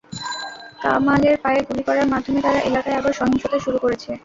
কামালের পায়ে গুলি করার মাধ্যমে তারা এলাকায় আবার সহিংসতা শুরু করেছে।